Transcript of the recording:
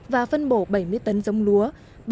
và phân bổ bảy mươi tấn giống lúa